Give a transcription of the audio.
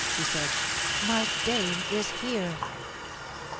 she said. "Mark Dane is here!"